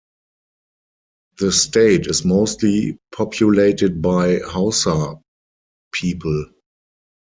The state is mostly populated by Hausa people.